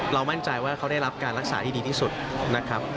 มั่นใจว่าเขาได้รับการรักษาที่ดีที่สุดนะครับ